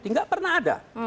tidak pernah ada